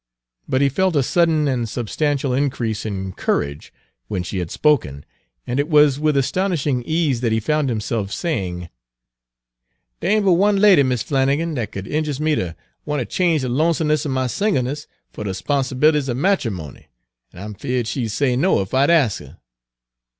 But he felt a sudden and substantial increase in courage when she had spoken, and it was with astonishing ease that he found himself saying: "Dey ain' but one lady, Mis' Flannigan, dat could injuce me ter want ter change de lonesomeness er my singleness fer de 'sponsibilities er matermony, an' I 'm feared she'd say no ef I'd ax her."